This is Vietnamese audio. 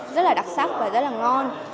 rất là đặc sắc và rất là ngon